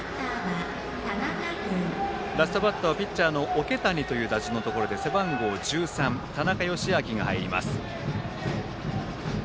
ラストバッターピッチャーの桶谷という打順で背番号１３、田中良明が入ります。